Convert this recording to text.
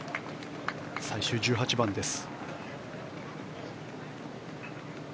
最終１８番です。